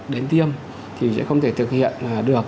đến tiêm thì sẽ không thể thực hiện được